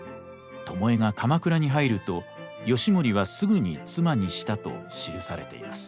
巴が鎌倉に入ると義盛はすぐに妻にしたと記されています。